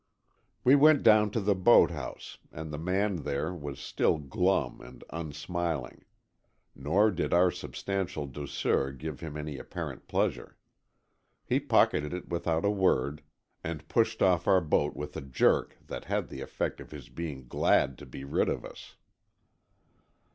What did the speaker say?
We went down to the boathouse, and the man there was still glum and unsmiling. Nor did our substantial douceur give him any apparent pleasure. He pocketed it without a word, and pushed off our boat with a jerk that had the effect of his being glad to be rid of us.